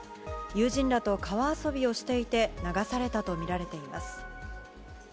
友人らと川遊びをしていて、流されたと見られています。